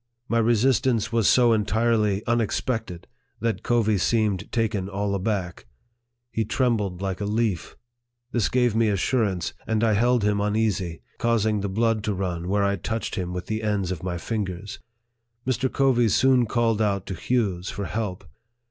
My re sistance was 'so entirely unexpected, that Covey seemed taken all aback. He trembled like a leaf. This gave me assurance, and I held him uneasy, causing the blood to run where I touched him with the ends of my fingers. Mr. Covey soon called out to Hughes for help."